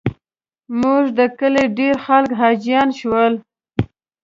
زموږ د کلي ډېر خلک حاجیان شول.